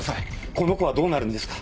この子はどうなるんですか？